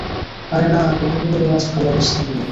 আরে না, গ্রহগুলোও আজ ভালো অবস্থানে নেই।